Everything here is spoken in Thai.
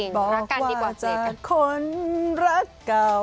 บอกว่าจะคนรักเก่า